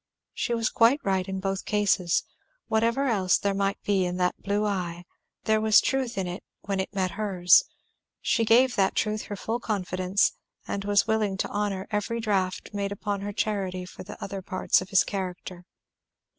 She was quite right in both cases. Whatever else there might be in that blue eye, there was truth in it when it met hers; she gave that truth her full confidence and was willing to honour every draught made upon her charity for the other parts of his character.